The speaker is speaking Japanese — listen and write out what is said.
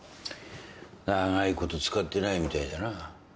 長いこと使ってないみたいだな。